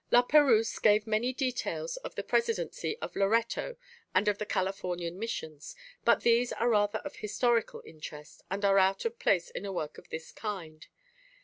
"] La Perouse gave many details of the presidency of Loretto and of the Californian missions, but these are rather of historical interest, and are out of place in a work of this kind.